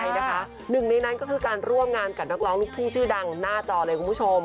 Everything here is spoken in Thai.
ใช่นะคะหนึ่งในนั้นก็คือการร่วมงานกับนักร้องลูกทุ่งชื่อดังหน้าจอเลยคุณผู้ชม